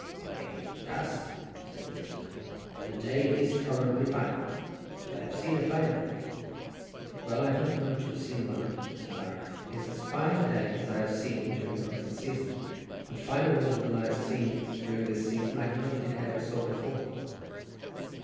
"Why yaas," said the figure; "the day is tolerably fine, but I have seen a finer." "Well, I don't remember to have seen one," said I; "it is as fine a day as I have seen during the present season, and finer weather than I have seen during this season I do not think I ever saw before."